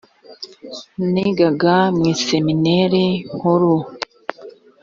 nigaga mu iseminari nkuru